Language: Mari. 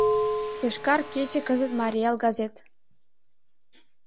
«Йошкар кече» — кызыт «Марий Эл» газет.